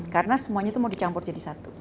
karena semuanya itu mau dicampur jadi satu